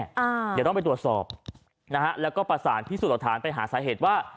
เดี๋ยวต้องไปตรวจสอบนะฮะแล้วก็ประสานพิสูจน์หลักฐานไปหาสาเหตุว่า